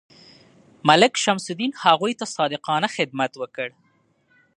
ملک شمس الدین هغوی ته صادقانه خدمت وکړ.